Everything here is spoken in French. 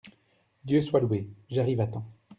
Dieu soit loué ! j’arrive à temps.